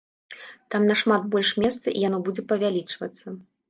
Там нашмат больш месца, і яно будзе павялічвацца.